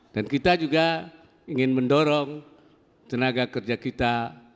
dan kita juga ingin mendorong tenaga kerja kita